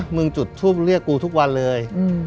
มึงจุดทูปเรียกกูทุกวันเลย